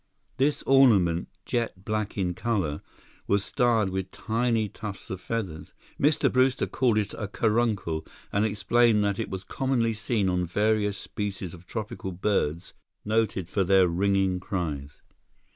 This ornament, jet black in color, was starred with tiny tufts of feathers. Mr. Brewster called it a caruncle and explained that it was commonly seen on various species of tropical birds noted for their ringing cries.